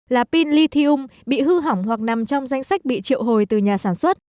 là pin lithium bị hư hỏng hoặc nằm trong danh sách bị triệu hồi từ nhà sản xuất